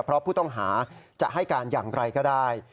เพราะผู้ต้องหาจะให้การอย่างไรก็ได้